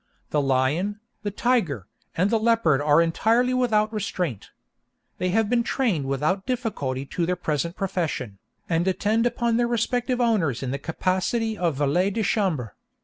The lion, the tiger, and the leopard are entirely without restraint. They have been trained without difficulty to their present profession, and attend upon their respective owners in the capacity of valets de chambre.